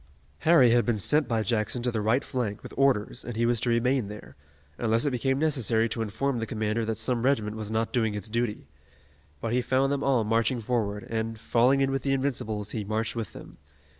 Harry had been sent by Jackson to the right flank with orders and he was to remain there, unless it became necessary to inform the commander that some regiment was not doing its duty. But he found them all marching forward, and, falling in with the Invincibles, he marched with them.